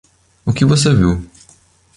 O que você viu